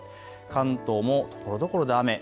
関東もところどころで雨。